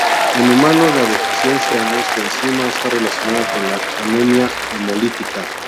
En humanos, la deficiencia en este enzima está relacionada con la anemia hemolítica.